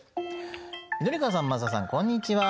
「緑川さん松田さんこんにちは」。